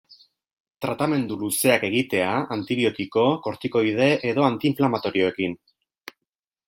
Tratamendu luzeak egitea antibiotiko, kortikoide edo anti-inflamatorioekin.